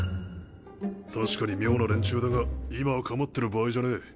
確かに妙な連中だが今は構ってる場合じゃねえ。